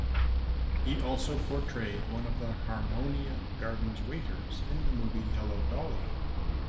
He also portrayed one of the Harmonia Gardens waiters in the movie Hello Dolly!